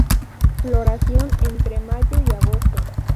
Floración entre mayo y agosto.